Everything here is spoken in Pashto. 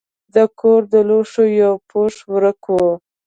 د کور د لوښو یو پوښ ورک و.